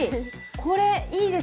これいいですね。